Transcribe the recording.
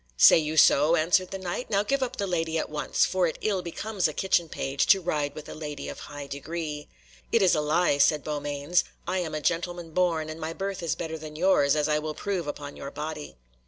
"Say you so?" answered the Knight, "now give up the lady at once, for it ill becomes a kitchen page to ride with a lady of high degree." "It is a lie," said Beaumains, "I am a gentleman born, and my birth is better than yours, as I will prove upon your body."